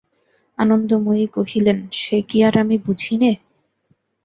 আনন্দময়ী কহিলেন, সে কি আর আমি বুঝি নে।